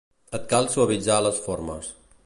Et cal suavitzar les formes.